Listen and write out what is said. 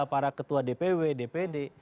para ketua dpw dpd